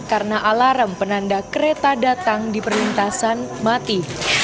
karena alarm penanda kereta datang di perlintasan mati